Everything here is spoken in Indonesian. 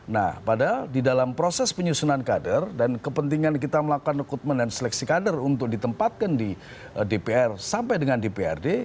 nah padahal di dalam proses penyusunan kader dan kepentingan kita melakukan rekrutmen dan seleksi kader untuk ditempatkan di dpr sampai dengan dprd